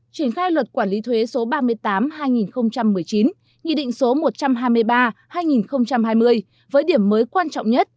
triển khai luật quản lý thuế số ba mươi tám hai nghìn một mươi chín nghị định số một trăm hai mươi ba hai nghìn hai mươi với điểm mới quan trọng nhất